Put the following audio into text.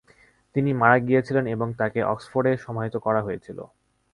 তিনি মারা গিয়েছিলেন এবং তাকে অক্সফোর্ডে সমাহিত করা হয়েছিল।